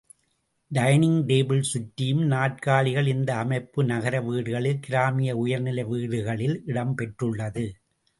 Dining table சுற்றியும் நாற்காலிகள் இந்த அமைப்பு நகர வீடுகளில் கிராமிய உயர் நிலை வீடுகளில் இடம் பெற்றுள்ளது.